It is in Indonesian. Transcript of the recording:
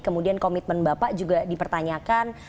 kemudian komitmen bapak juga dipertanyakan